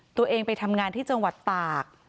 ตัวเองไปทำงานที่จังหวัดตาก